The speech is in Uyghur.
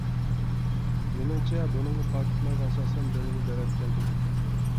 مېنىڭچە بۇنىڭغا پاكىتلارغا ئاساسەن بىر نېمە دەۋەتكەن تۈزۈك.